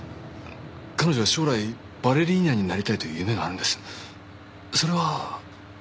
彼女は将来バレリーナになりたいという夢があるんですそれは